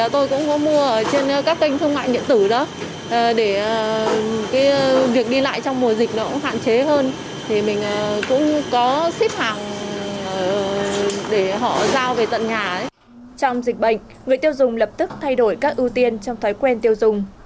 trong dịch bệnh người tiêu dùng lập tức thay đổi các ưu tiên trong thói quen tiêu dùng